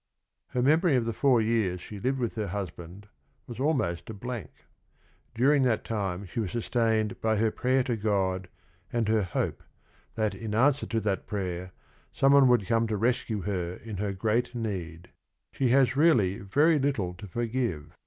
Her memory of the four years she lived with her husband was almost a blank. During that time she was sustained by her prayer to God and her hope, that in answer to that prayer, some one would come to rescue her in her great need. Sh e has really very little to forgive.